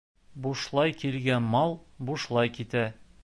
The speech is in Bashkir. Бушлай килгән мал бушлай китә.